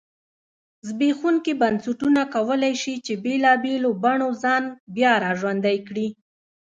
زبېښونکي بنسټونه کولای شي چې بېلابېلو بڼو ځان بیا را ژوندی کړی.